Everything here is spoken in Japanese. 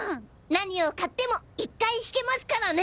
何を買っても１回引けますからね。